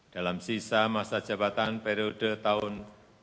dalam sisa masa jabatan periode tahun dua ribu dua puluh